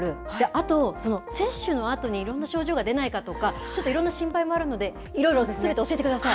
あと、接種のあとにいろんな症状が出ないかとか、ちょっといろんな心配もあるので、いろいろすべて教えてください。